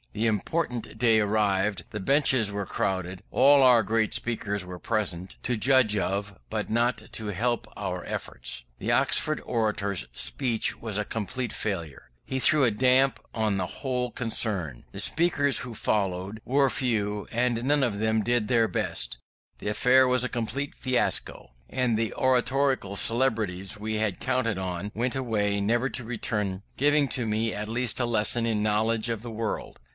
The important day arrived; the benches were crowded; all our great speakers were present, to judge of, but not to help our efforts. The Oxford orator's speech was a complete failure. This threw a damp on the whole concern: the speakers who followed were few, and none of them did their best: the affair was a complete fiasco; and the oratorical celebrities we had counted on went away never to return, giving to me at least a lesson in knowledge of the world.